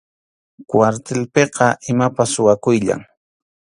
Kwartilpiqa imapas suwakuyllam.